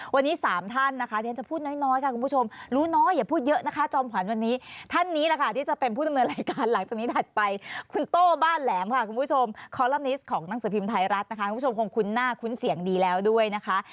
วันนี้๓ท่านนะคะที่ฉันจะพูดน้อยค่ะคุณผู้ชมรู้น้อยอย่าพูดเยอะนะคะจอมขวัญวันนี้ท่านนี้แหละค่ะที่จะเป็นผู้ดำเนินรายการหลังจากนี้ถัดไปคุณโต้บ้านแหลมค่ะคุณผู้ชมคอลัมนิสต์ของหนังสือพิมพ์ไทยรัฐนะคะคุณผู้ชมคงคุ้นหน้าคุ้นเสียงดีแล้วด้วยนะคะ